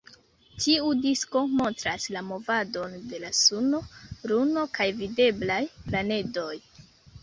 Tiu disko montras la movadon de la suno, luno kaj videblaj planedoj.